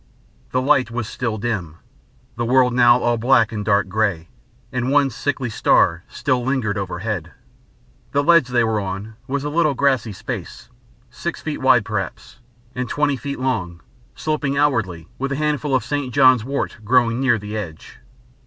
The light was still dim, the world now all in black and dark grey, and one sickly star still lingered overhead. The ledge they were on was a little grassy space, six feet wide, perhaps, and twenty feet long, sloping outwardly, and with a handful of St. John's wort growing near the edge.